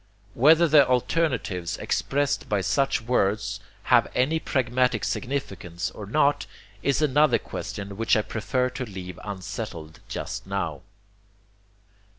Whether the alternatives expressed by such words have any pragmatic significance or not, is another question which I prefer to leave unsettled just now.